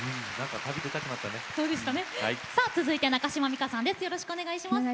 続いては中島美嘉さんです。